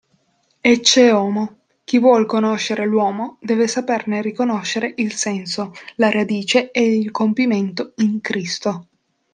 Ecce homo: chi vuol conoscere l'uomo, deve saperne riconoscere il senso, la radice e il compimento in Cristo.